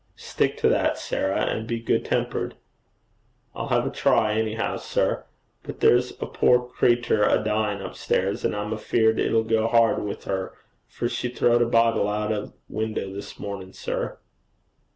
'Stick to that, Sarah; and be good tempered.' 'I'll have a try anyhow, sir. But there's a poor cretur a dyin' up stairs; and I'm afeard it'll go hard with her, for she throwed a Bible out o' window this very morning, sir.'